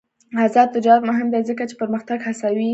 آزاد تجارت مهم دی ځکه چې پرمختګ هڅوي.